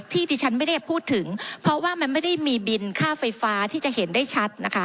ที่ดิฉันไม่ได้พูดถึงเพราะว่ามันไม่ได้มีบินค่าไฟฟ้าที่จะเห็นได้ชัดนะคะ